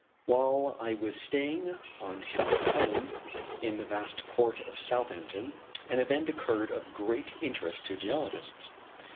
While I was staying on Hamilton Island, in the vast port of Southampton, an event occurred of great interest to geologists.